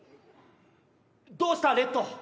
どうしたレッド。